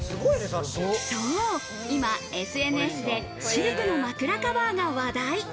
そう、今、ＳＮＳでシルクの枕カバーが話題。